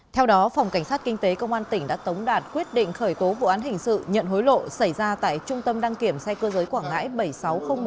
theo đó phòng cảnh sát kinh tế công an tỉnh đã tống đạt quyết định khởi tố vụ án hình sự nhận hối lộ xảy ra tại trung tâm đăng kiểm xe cơ giới quảng ngãi bảy nghìn sáu trăm linh một